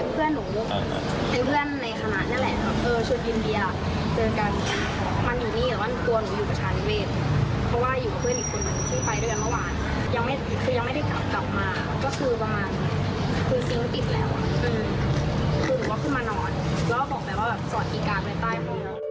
กลับกี่กามในใต้โมง